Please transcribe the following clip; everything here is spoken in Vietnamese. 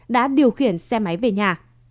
đã điều khiển xe máy về nhà